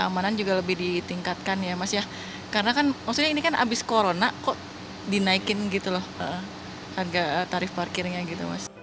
makanya maksudnya ini kan abis corona kok dinaikin gitu loh harga tarif parkirnya gitu